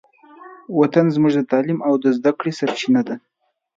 وطن زموږ د تعلیم او زدهکړې سرچینه ده.